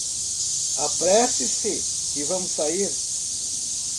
Apresse-se e vamos sair.